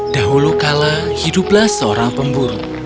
dahulu kala hiduplah seorang pemburu